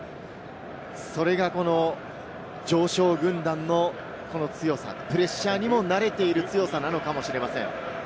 それが常勝軍団の強さ、プレッシャーにも慣れている強さなのかもしれません。